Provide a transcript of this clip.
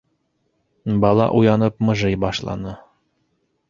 - Бала уянып мыжый башланы.